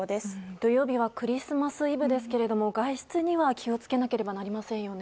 土曜日はクリスマスイブですが外出には気を付けなければなりませんよね。